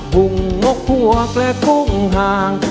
กุ้งนกพวกและกุ้งห่าง